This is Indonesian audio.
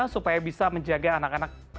supaya bisa menjaga anak anak